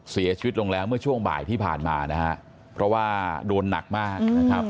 เสียชีวิตลงแล้วเมื่อช่วงบ่ายที่ผ่านมานะฮะเพราะว่าโดนหนักมากนะครับ